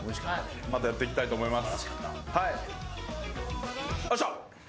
またやってきたいと思います。